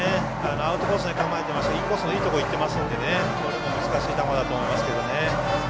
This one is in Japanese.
アウトコースに構えてましてインコースのいいところにいってますのでこれも難しい球だと思います。